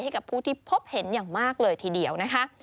ให้กับผู้ที่พบเห็นอย่างมากเลยทีเดียวนะคะ